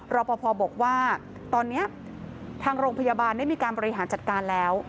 รอปภบอกว่าตอนนี้ทางโรงพยาบาลได้มีการบริหารจัดการแล้ว